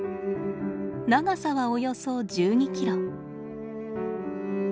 長さはおよそ１２キロ。